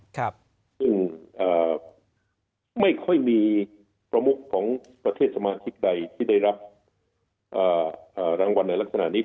ซึ่งไม่ค่อยมีประมุขของประเทศสมาชิกใดที่ได้รับรางวัลในลักษณะนี้